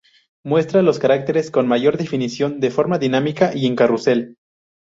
Muestra los caracteres con mayor definición, de forma dinámica y en carrusel.